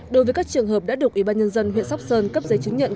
đối với các trường hợp đã được ủy ban nhân dân huyện sóc sơn cấp giấy chứng nhận